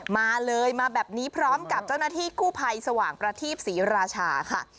มาเลยมาแบบนี้พร้อมกับเจ้าหน้าที่กู้ภัยสว่างประทีปศรีราชาค่ะ